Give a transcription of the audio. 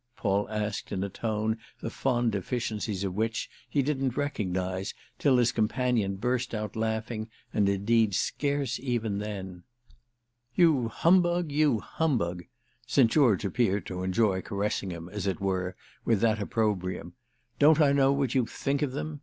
Paul asked in a tone the fond deficiencies of which he didn't recognise till his companion burst out laughing, and indeed scarce even then. "You humbug, you humbug!"—St. George appeared to enjoy caressing him, as it were, with that opprobrium. "Don't I know what you think of them?"